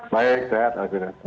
baik sehat pak fira